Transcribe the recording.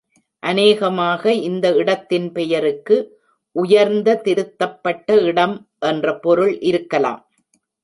அநேகமாக இந்த இடத்தின் பெயருக்கு "உயர்ந்த, திருத்தப்பட்ட இடம்" என்ற பொருள் இருக்கலாம்.